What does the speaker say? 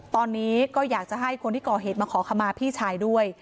ตอนนี้ก็อยากจะให้คนที่ก่อเหตุมาขอขมาพี่ชายด้วย